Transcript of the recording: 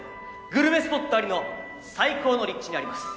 グルメスポットありの最高の立地にあります